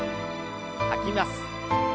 吐きます。